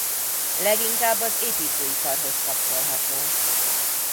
Leginkább az építőiparhoz kapcsolható.